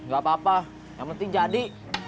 gak apa apa yang penting jadi